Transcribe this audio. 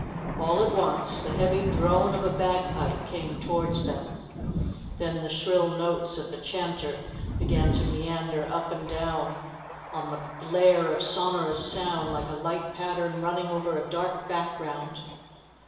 All at once the heavy drone of a bagpipe came towards them, then the shrill notes of the chanter began to meander up and down on the blare of sonorous sound like a light pattern running over a dark background.